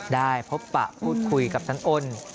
ได้พบปะพูดคุยกับทั้งอ้น